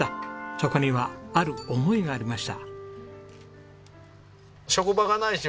そこにはある思いがありました。